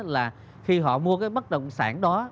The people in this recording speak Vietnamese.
là khi họ mua cái bất động sản đó